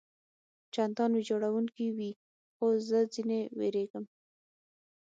چندان ویجاړوونکي وي، خو زه ځنې وېرېږم.